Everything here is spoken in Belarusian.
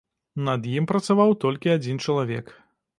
Над ім працаваў толькі адзін чалавек.